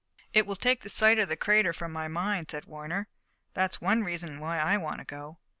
"It will take the sight of the crater from my mind," said Warner. "That's one reason why I want to go."